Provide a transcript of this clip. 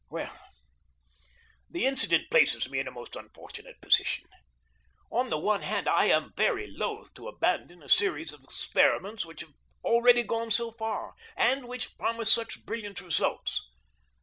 Well, the incident places me in a most unfortunate position. On the one hand, I am very loath to abandon a series of experiments which have already gone so far, and which promise such brilliant results.